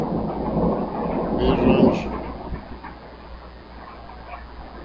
Hwɛ́ rzɔ́njì.